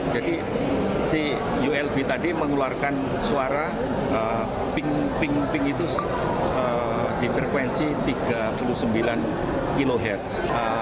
jadi si ulv tadi mengeluarkan suara ping ping itu di frekuensi tiga puluh sembilan khz